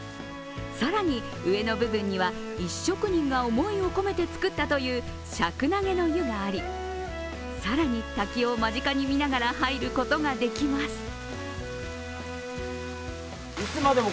更に上の部分には石職人が思いを込めて作ったという石楠花の湯があり、更に滝を間近に見ながら入ることができます。